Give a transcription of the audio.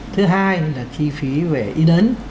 thứ hai là chi phí về ý đấn